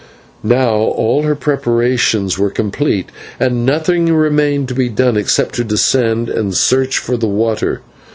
Now all her preparations were complete, and nothing remained to be done except to descend and search for the water.